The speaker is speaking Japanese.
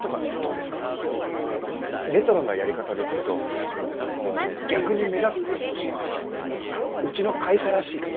レトロなやり方ですけど逆に目立つと思うしうちの会社らしいかと。